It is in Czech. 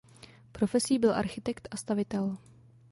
Profesí byl architekt a stavitel.